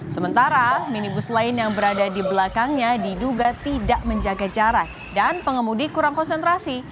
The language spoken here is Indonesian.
sementara minibus lain yang berada di belakangnya diduga tidak menjaga jarak dan pengemudi kurang konsentrasi